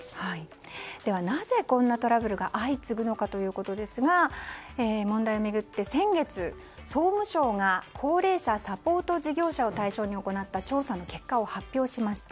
なぜ、こんなトラブルが相次ぐのかということですが問題を巡って先月、総務省が高齢者サポート事業者を対象に行った調査の結果を発表しました。